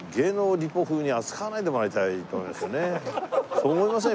そう思いません？